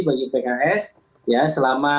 bagi pks ya selama